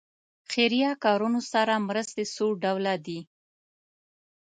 خیریه کارونو سره مرستې څو ډوله دي.